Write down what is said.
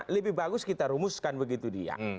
lebih bagus kita rumuskan begitu dia